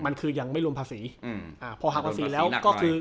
มันคือยังไม่รวมภาษีอืมอ่าพอหักภาษีแล้วก็คือ